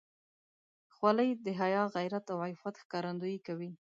خولۍ د حیا، غیرت او عفت ښکارندویي کوي.